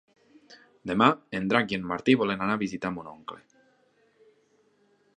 Demà en Drac i en Martí volen anar a visitar mon oncle.